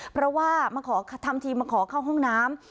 เพราะว่ามาขอทำทีมาขอเข้าห้องน้ำ